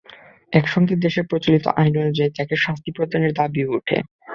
একই সঙ্গে দেশের প্রচলিত আইন অনুযায়ী তাঁকে শাস্তি প্রদানেরও দাবি ওঠে।